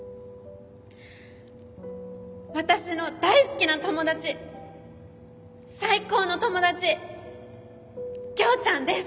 私の大好きな友達最高の友達キョーちゃんです！